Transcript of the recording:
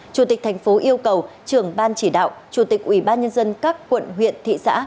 chủ tịch thành phố yêu cầu trưởng ban chỉ đạo chủ tịch ủy ban nhân dân các quận huyện thị xã